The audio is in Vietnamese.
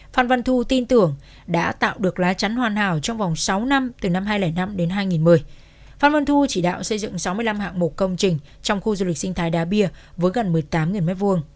phan văn thu tin tưởng đã tạo được lá chắn hoàn hảo trong vòng sáu năm từ năm hai nghìn năm đến hai nghìn một mươi phan văn thu chỉ đạo xây dựng sáu mươi năm hạng mục công trình trong khu du lịch sinh thái đá bia với gần một mươi tám m hai